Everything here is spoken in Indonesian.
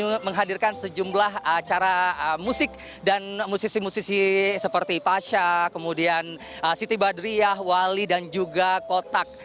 ini menghadirkan sejumlah acara musik dan musisi musisi seperti pasha kemudian siti badriah wali dan juga kotak